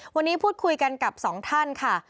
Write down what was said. วันนี้พูดคุยกันกับสองท่านค่ะ